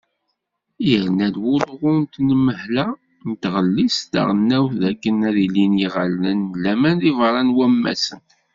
Yerna-d wulɣu n tenmehla n tɣellist taɣelnawt d akken ad ilin yiɣallen n laman deg berra n wammasen.